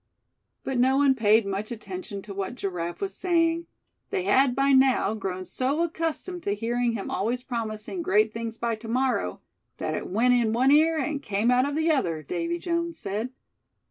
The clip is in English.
But no one paid much attention to what Giraffe was saying; they had by now grown so accustomed to hearing him always promising great things by "to morrow" that it "went in one ear, and came out of the other," Davy Jones said.